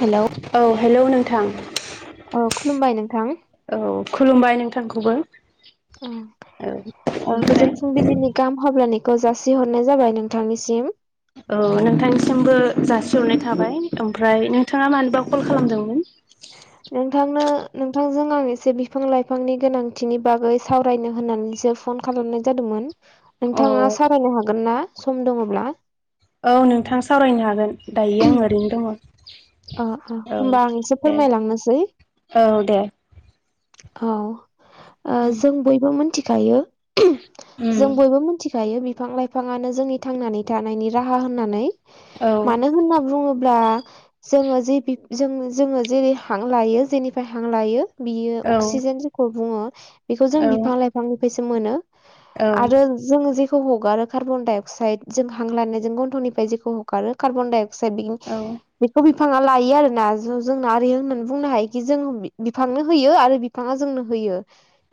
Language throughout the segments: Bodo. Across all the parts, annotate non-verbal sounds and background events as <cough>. हेल' औ हेल' नोंथां अ खुलुमबाय नोंथां औ खुलुमबाय नोंथांखौबो औ ओमफ्राय गोजोन फुंबिलिनि गाहाम हाब्लानायखौ जासिहरनाय जाबाय नोंथांनिसिम औ नोंथांनिसिमबो जासिहरनाय थाबाय ओमफ्राय नोंथाङा मानोबा कल खालामदोंमोन नोंथांनो नोंथांजों आं एसे बिफां लाइफांनि गोनांथिनि बागै सावरायनो होननानैसो फन खालामनाय जादोंमोन अ नोंथाङा सावरायनो हागोन ना सम दङब्ला औ नोंथां सावरायनो हागोन दायो आं ओरैनो दङ अ अ औ होमबा आं एसे दे फोरमायलांनोसै औ दे औ ओ जों बयबो मिथिखायो उम जों बयबो मिथिखायो बिफां लाइफाङानो जोंनि थांनानै थानायनि राहा होननानै औ मानो होनना बुङोब्ला जोङो जे ज <unintelligible> जोङो जेरै हां लायो जेनिफ्राय हां लायो बियो औ अक्सिजेन बुङो बेखौ जों औ बिफां लाइफांनिफ्रायसो मोनो आरो औ जों जेखौ हगारो कार्बन डाइ अक्साइड जों हां लानायजों गन्थ'निफ्राय जेखौ हगारो कार्बन डाइ अक्साइड औ <unintelligible> बेखौ बिफाङा लायो आरोना ज जोंना आरो होननानै बुंनो हायोखि जों बिफांनो होयो आरो बिफाङा जोंनो होयो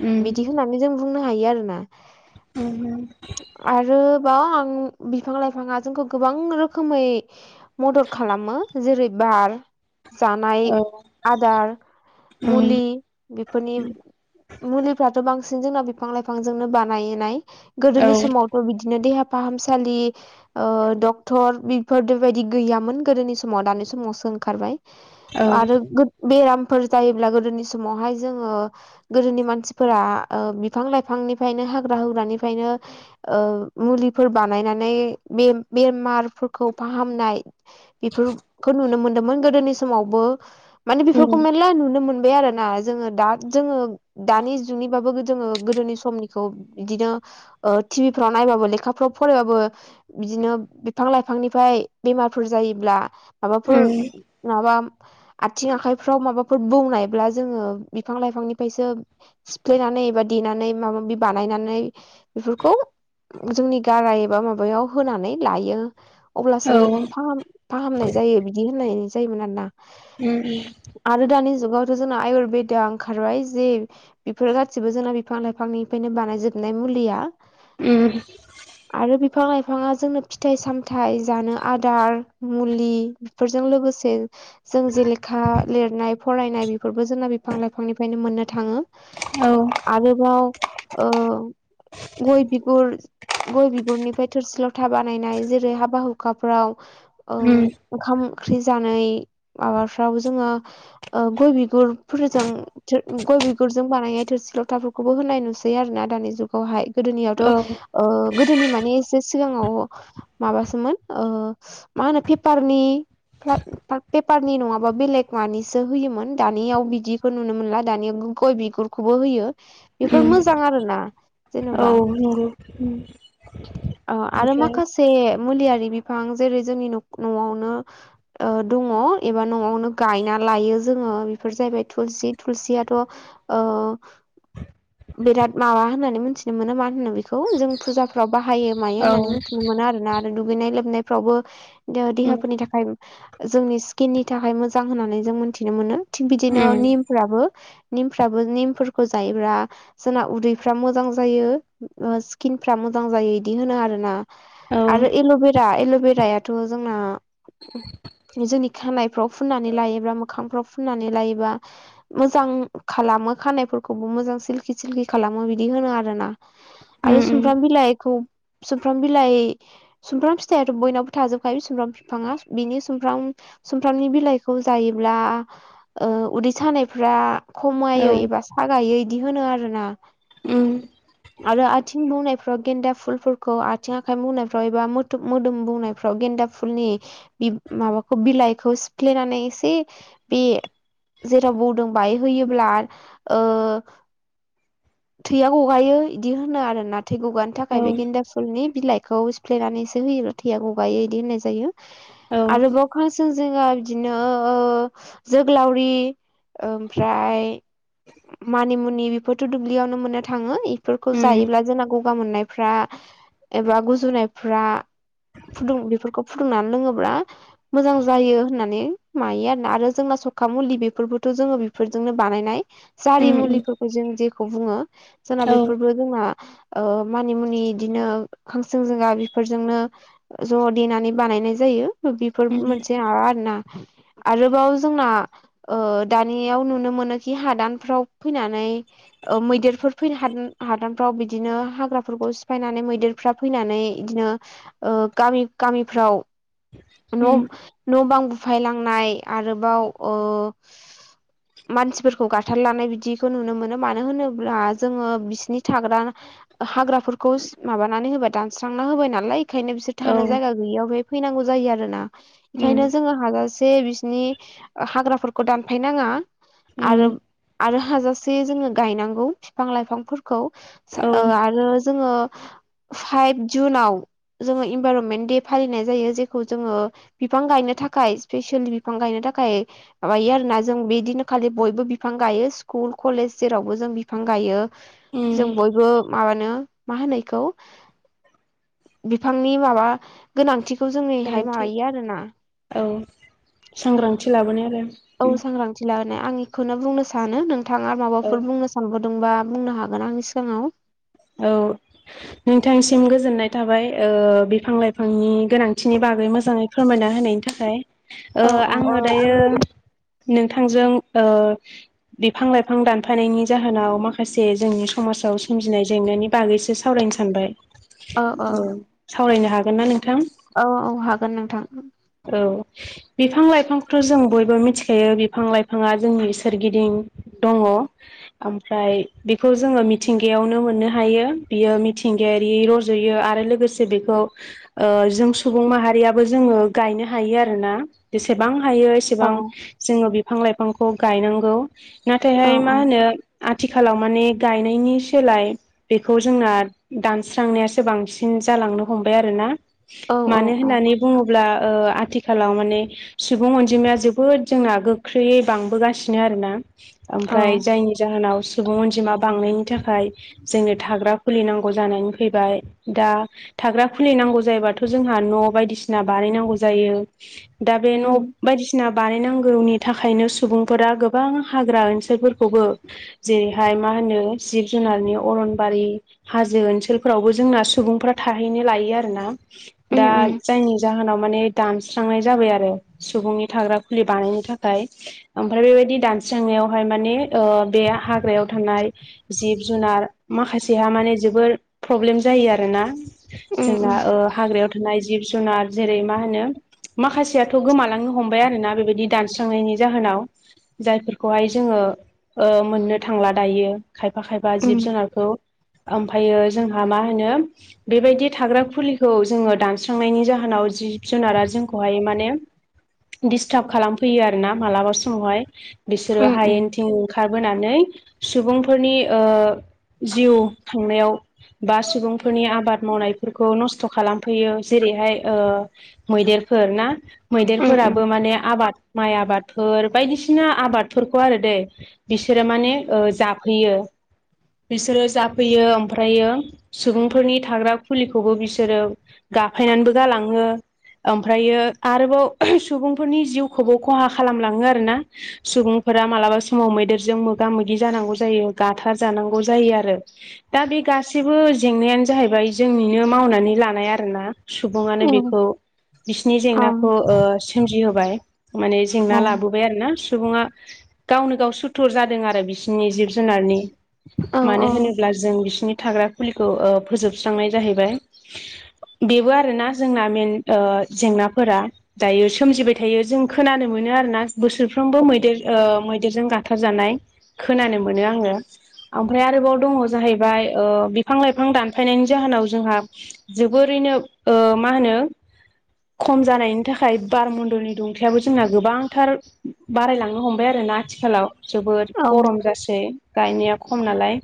उम बिदि होननानै जों बुंनो हायो आरोना <unintelligible> आरो बाव आं बिफां लाइफाङा जोंखौ गोबां रोखोमै मदद खालामो जेरै बार जानाय औ आदार उम मुलि बेफोरनि मुलिफ्राथ' बांसिन जोंनाव बिफां लाइफांजोंनो बानायनाय औ गोदोनि समाव बिदिनो देहा फाहामसालि डक्टर बेफोर बेबायदि गैयामोन गोदोनि सम समाव दानि समावसो ओंखारबाय औ आरो बेरामफोर जायोब्ला गोदोनि समावहाय जोङो गोदोनि मानसिफोरा बिफां लाइफांनिफ्रायनो हाग्रा हुग्रानिफ्रायनो मुलिफोर बानायनानै बे बेमारफोरखौ फाहामनाय बेफोरखौ नुनो मोनदोंमोन गोदोनि समावबो माने उम बेफोरखौ मेरला नुनो मोनबाय आरो ना जोङो दा जोङो दानि जुगनिबाबो जोङो गोदोनि समनिखौ बिदिनो टिभिफ्राव नायबाबो लेखाफ्राव फरायबाबो बिदिनो बिफां लाइफांनिफ्राय बेमारफोर जायो माबाफोर उम माबा आथिं आखायफ्राव माबाफोर बुंनायब्ला जोङो बिफां लाइफांनिफ्रायसो सिफ्लेनानै एबा देनानै माबा माबि बानायनानै बेफोरखौ जोंनि गारा एबा माबायाव होनानै लायो। औ अब्लासो उम फाह फाहामनाय जायो बिदि होननाय जायोमोन आरोना उम उ आरो दानि जुगावथ' जोंना आयुरवेदआ ओंखारबाय जे बेफोर गाैबो जोंना बिफां लाइफांनिफ्रायनो बानायजोबनाय मुलिया उम। आरो बिफां लाइफाङा जोंनो फिथाइ-सामथाइ जानो आदार मुलि बेफोरजों लोगोसे जों जे लेखा लिरनाय फरायनाय बेफोरबो जोंना बिफां लाइफांनिफ्रायनो मोननो थाङो। आरोबाव ओ गय बिगुर गय बिगुरनिफ्राय थोरसि लथा बानायनाय जेरै हाबा हुखाफोराव उम। ओंखाम ओंख्रि जानाय माबाफ्राव जोङो ओ गय बिगुरफोरजों गय बिगुरजों बानायनाय थोरसि लथाफोरखौबो होनाय नुसै आरोोना दानि जुगावहाय। औ गोदोनियावथ' गोदोनि माने एसे सिगाङाव माबासोमोन ओ मा होनो पेपारनि प्ला पेपारनि नङाबा बेलेग मानिसो होयोमोन। दानियाव बिदिखौ नुनो मोनला दानिया गय बिगुर खौबो होयो बेफोर उम मोजां आरो ना जेनेबा। आरो होम अ आरो माखासे मुलियारि बिफां जेरै जो जोंनि न'आवनो ओ दङ एबा न'आवनो गायना लायो जोङो बेफोर जाहैबाय थुलसि थुलसियाथ' ओ बिराद माबा होननानै मिथिनो मोनो मा होनो बेखौ जों फुजा फाव बाहायो मायो औ होननानै मिथिनो मोनो आरोना आरो दुगैनाय लोबनायफ्रावबो ओ द उम देहाफोरनि थाखाय जोंनि स्किननि थाखाय मोजां होननानै जों मोनथिनो मोनो। थिग बिदिनो उम निम फोराबो निमफ्राबो निमफोरखौ जायोब्ला जोंना उदैफ्रा मोजां जायो। ओ स्किन फ्रा मोजां जायो इदि होनो आरो ना औ आरो एल'बेरा एल'भेराया थ' जोंना जोंनि खानायफ्राव फुननानै लायोब्ला मोखांफ्राव फुननानै लायोबा मोजां खालामो खानायफोरखौबो मोजां सिलकि सिलखि खालामो बिदि होनो आरोना। आरो उम उम सुमफ्राम बिलाइखौ सुमफ्राम बिलाइ सुमफ्राम फिथाइयाथ' बयनाव थाजोबखायो सुमफ्राम बिफाङा बिनि सुमफ्राम सुमफ्रामनि बिलाइखौ जायोब्ला उदै सानायफ्रा औ खमायो एबा सागायो बिदि होनो आरोना। उम। आरो आथिं बुंनायफ्राव गेन्दा फुलफोरखौ आथिं आखाइ बुंनायफ्राव एबा मो मोदोम बुंनायफ्राव फाव गेन्दा फुलनि बि माबाखौ बिलाइखौ सिफ्लेनानै एसे बे जेराव बौदों बाहाय होयोब्ला ओ थैया गगायो इदि होनो आरोना। थै गगानो थाखाय औ बे गेन्दा फुलनि बिलाइखौ सिफ्लेनानैसो होयो थैया गगायो बिदि होननाय जायो। उम आरोबाव खानसिं जिङा बिदिनो ओ जोग्लावरि ओमफ्राय मानिमुनि बेफोरथ' दुब्लियावनो मोननो थाङो ए फोरखौ उम औ उम जायोब्ला जोंना गगा मोननायफ्रा एबा गुजुनायफ्रा फुदुं बेफोरखौ फुदुंनानै लोङोब्ला मोजां जायो होननानै मायो आरोना। आरो जोंना सखा मुलि बेफोरबोथ' जोङो बेफोरजोंनो बानायनाय। जारि मुलिफोरखौ जों जेखौ बुङो जोंना बेफोरबो जोंना ओ मानि मुनि बिदिनो खांसिं जंगा बेफोरजोंनो ज' देनानै बानायनाय जायो बेफोर मोनसे माबा आरोना आरोबाव जोंना ओ दानियाव नुनो मोनोखि हादानफ्राव फैनानै औ मैदेरफोर फैनो हा-हादानफ्राव बिदिनो हाग्राफोरखौ सिफायनानै मैदेरफ्रा फैनानै बिदिनो ओ गामि गामिफ्राव न न' बां बुफायलांनाय आरोबाव ओ मानसिफोरखौ गाथार लानाय बिदिखौ नुनो मोनो मानो होनोब्ला जोङो बिसिनि थाग्रा हाग्राफोरखौ सि माबानानै होबाय दानस्रांना होबाय नालाय ओंखायनो बिसोर थानो जायगा गैयियाव बेहाय फैनांगौ जायो आरोना बेखायनो जों हाजा से बिसनि हाग्राफोरखौ दानफायनाङा उम आरो आरो हाजासे जोङो गायनांगौ फिफां लाइफांफोरखौ औ ओ आरो जोङो फाइभ जुनाव जोङो इनभाइरनमेन्ट दे फालिनाय जायो जेखौ जोङो बिफां गायनो थाखाय स्पेसियेलि बिफां गायनो थाखाय माबायो आरोना जों बिदिनो खालि बयबो बिफां गायो स्कुल कलेज जेरावबो जों बिफां गायो जों औ बयबो माबानो मा होनो बेखौ बिफां नि माबा गोनांथिखौ जोंनिहाय गोनांथि मायो आरोना। औ सांग्रांथि लाबोनाय आरो औ उम। <inaudible> आं बेखौनो बुंनो सानो नोंथाङा औ माबाफोर बुंनो सा नबावदोंबा बुंनो हागोन आंनि सिगाङाव। औ नोंथांसिम गोजोननाय थाबाय ओ बिफां लाइफांनि गोनां थिनि बागै मोजाङै फोरमायना होनायनि थाखाय ओ औ औ आङो दायो आंबो नोंथांजों ओ बिफां लाइफां दानफायनायनि जाहोनाव माखासे जोंनि समाजाव सोमजिनाय जेंनानि बागैसो सावरायनो सानबाय। औ औ ओ सावरायनो हागोन ना नोंथां? औ औ हागोन नोंथां। औ बिफां लाइफांखौथ' जों बयबो मिथिखायो बि फां लाइफाङा जोंनि सोरगिदिं दङ। ओमफ्राय बेखौ जोङो मिथिंगायावनो मोननो हायो बियो मिथिंगायारि रज जयो आरो लोगोसे बेखौ ओ जों सुबुं माहारियाबो जोङो गायनो हायो आरोना जेसेबां हायो औ एसेबां जोङो बिफां लाइफांखौ गायनांगौ नाथायहाय मा होनो आथिखालाव माने गायनायनि सोलाय बेखौ जोंना दानस्रांनायासो बांसिन जालांनो हमबाय आरोना। औ मानो औ होननानै बुङोब्ला ओ आथिखालाव माने सुबुं अनजिमाया जोबोद जोंना गोख्रैयै बांबोगासिनो आरोना ओमफ्राय औ जायनि जाहोनाव सुबुं अनजिमा बांनायनि थाखाय जोंनो थाग्रा खुलिनांगौ जानानै फैबाय दा थाग्रा खुलिनांगौ जायोबाथ' जोंहा न' बायदिसिना बानायनांगौ जायो दा बे न' बायदिसि ना बानायनांगौनि थाखायनो सुबुंफोरा गोबां हाग्रा ओनसोलफोरखौबो जेरैहाय मा होनो जिब जुनारनि अरनबारि हाजो ओनसोलफोरावबो जोंना सुबुंफ्रा थाहैनो लायो आरोना। दा जायनि जाहोनाव माने दानस्रांनाय जाबाय आरो सुबुंनि थाग्रा खुलि बानायनो थाखाय। ओमफ्राय बेबायदि दानस्रांनायावहाय माने बे हाग्रायाव थानाय जिब जुनार माखासेहा माने जोबोर प्रब्लेम जायो आरोना। जोंना हाग्रायाव थानाय जिब जुनार जेरै मा होनो माखासेयाथ' गोमालांनो हमबाय आरोना बेबायदि दानस्रांनायनि जाहोनाव जायफोरखौहाय जोङो मोननो थांला दायो खायफा खायफा जिब जुनारखौ ओमफ्रायो जोंहा मा होनो बेबायदि थाग्रा खुलिखौ जोङो दानस्रांनायनि जाहोनाव जिब जुनारा जोंखौहाय माने दिस्टार्ब खालामफैयो आरोना मालाबा समावहाय बिसोरो हायेन थिं खारबोनानै सुबुंफोरनि ओ जिउ खांनायाव बा सुबुंफोरनि आबाद मावनायफोरखौ नस्थ' खालामफैयो जेरैहाय ओ मैदेरफोर ना मैदेरफोराबो माने आबाद माइ आबादफोर बायदिसिना आबादफोरखौ आरो दैेय बिसोरो माने जाफैयो बिसोरो जाफैयो ओमफ्रायो सुबुंफोरनि थाग्रा फुलिखौबो बिसोरो गाफायनानैबो गालाङो ओमफ्रायो आरोबाव सुबुंफोरनि जिउखौबो खहा खालामलाङो। आरो ना सुबुंफोरा मालाबा समाव मैदेरजों मोगा मोगि जानांगौ जायो गाथार जानांगौ जायो आरो। दा बे गासैबो जेंनायानो जाहैबाय जोंनिनो मावनानै लानाय आरो ना। सुबुंङानो बेखौ बिसिनि जेंनाखौ सोमजिहोबाय माने जेंना लाबोबाय ोना सुबा गावनो गाव सुथुर जादों आरो बिस बिसोरनि जिब जुनारनि मानो होनोब्ला जों बिसिनि थाग्रा फुलिखौ फोजोबस्रांनाय जाहैबाय बेबो आरोना जोंना मेन जेंनाफोरा दायो सोमजिबाय थायो। जों खोनानो मोनो आरोना बोसोरफ्रोमबो मैदेर मैदेरजों गाथारजानाय। खोनानो मोनो आङो। ओमफ्राय आरोबाव दङ जाहैबाय बिफां लाइफां दानफायनायनि जाहोनाव जोंहा? जोबोरैयनो मा होनो? खम जानायनि थाखाय बार मन्दलनि दुंखयाबो जोंना गोबांथार बारायलांनो हमबाय आरो ना आथिखालाव जोबोद गरम जासिगोन ै गायनाया खम नालाय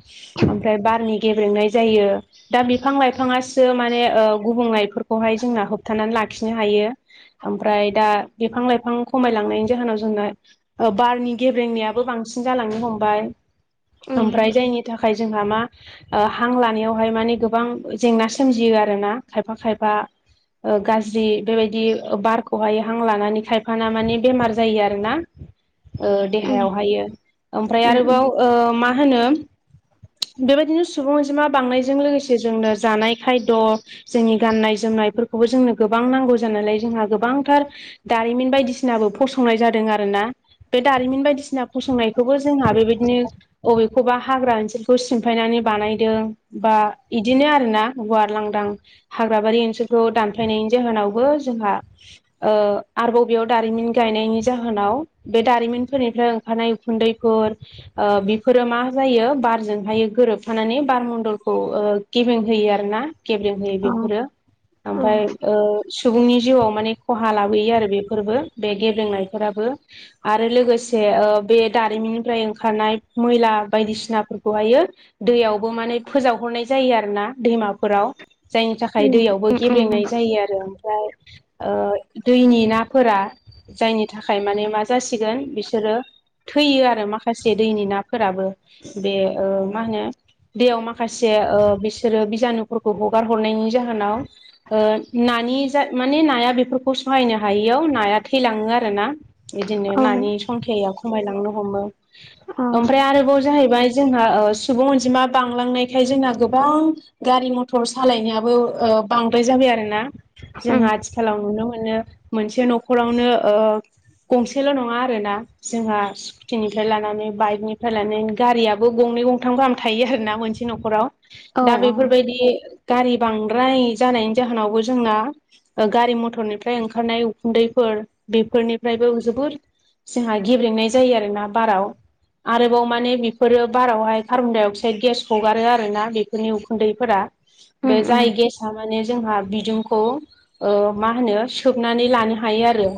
ओमफ्राय बारनि गेब्रेंनाय जायो। दा बिफां लाइफाङासो माने गुबुंलइफोरखौहाय जोंना होबथानानै लाखिनो हायो। ओमफ्राय दा बिफां लाइफां खमायलांनायनि जाहोनाव जोंना? बारनि गेब्रेंनायाबो बांसिन जालांनो हमबाय। ओमफ्राय जायनि थाखाय जोंहा मा हां लानायावहाय माने गोबां जेंना सोमजियो आरोना। खायफा खायफा ग जि बेबायदि बारखौहाय हां लानानै खायफाना माने बेमार जायो आरोना? देहायावहायो ओमफ्राय आरोबाव मा होनो? बेबायदिनो सुबुं अनजिमा बांनायजों लोगोसे जोंनो जानाय खायद' जोंनि गाननाय जोमनायफोरखौबो जोंनो गोबां नांगौ जानायालाय जोंहा गोबांथार दारिमिन बायदिसिनाबो फसंनाय जादों आरोना। बे दारिमिन बायदिसिना फसंनायखौबो जोंहा बेबायदिनो बबेखौबा हाग्रा ओनसोलखौ सिमफायनानै बानायदों बा बिदिनो आरोना। गुवार लांदां हाग्राबारि ओनसोलखौ दानफायनायनि जाहोनावबो जोंहा आरोबाव बेयाव दारिमिन गायनायनि जाहोनाव बे दारिमिनफोरनिफ्राय ओंखारनाय खुन्दैफोर बेफोरो मा जायो। बारजोंहाय गोरोबफानानै बार मन्दलखौ गेबें होयो आर ना। गेब्रें होयो बेफोरो ओमफ्राय सुबुंनि जिउआव माने खहा लाबोयो आरो बेफोरबो बे गेब्रेंनायफोराबो। आरो लोगोसे बे दारिमिननिफ्राय ओंखारनाय मैला बायदिसिनाफोरखौहायो दैयावबो माने फोजावहरनाय जायो आरो ना। दैमाफोराव जायनि थाखाय दैयावबो गेबेंनाय जायो आरो ओमफ्राय दैनि नाफोरा जायनि थाखाय माने मा जासिगोन बिसोरो? थैयो आरो माखासे दैनि नाफोराबो बे मा होनो दैयाव माखासे बिसोरो बिजानुफोरखौ हगारहरनायनि जाहोनाव नानि जा माने नाया बेफोरखौ सहायनो हायियाव नाया थैलाङो आर ना। बिदिनो नानि संखिया खमायलांनो हमो। ओमफ्राय आरोबाव जाहैबाय जोंहा सुबुं अनजिमा बांलांनायखाय जोंना गोबां गारि मथर सालायनायाबो बांद्राय जाबाय आरोना जोंहा आथिखालाव नुनो मोनो मोनसे न'खरावनो गंसेल' नङा आरोना जोंहा स्कुटिनिफ्राय लानानै बाइकनिफ्राय लानानै गारियाबो गंनै गंथाम गाहाम थायो आर ना मोनसे न'खराव दा बेफोरबायदि गारि बांद्राय जानायनि जाहोनावबो जोंना गारि मथरनिफ्राय ओंखारनाय उखुन्दैफोर बेफोरनिफ्रायबो जोबोर जोंहा गेब्लेेंनाय जायो आरोना बाराव आरोबाव माने बेफोरो बारावहाय कार्बन डाइ अक्साइद गेस हगारो आरोना बेफोरनि उखुन्दैफोरा बे जाय गेस माने जोंहा बिदुंखौ ओ मा होनो सोबनानै लानो हायो आरो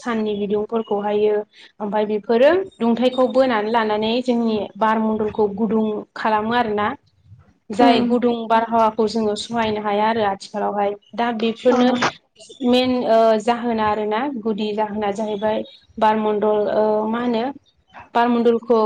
साननि बिदुंफोरखौहायो ओमफफ्राय बेफोरो दुंथाइखौ बोनानै लानानै जोंनि बार मन्दलखौ गुदुं खालामो आरोना <inaudible> जाय गुदुं बारहावाखौ जोङो सहायनो हाया आरो आथिखालावहाय दा बेफोरनो मेन ओ जाहोना आरो ना गुदि जाहोना जाहैबाय बारमण्डल ओ मा होनो बारमण्डलखौ